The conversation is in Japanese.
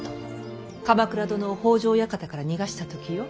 鎌倉殿を北条館から逃がした時よ。